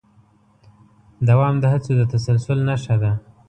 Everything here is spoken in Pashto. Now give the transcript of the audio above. دوام د هڅو د تسلسل نښه ده.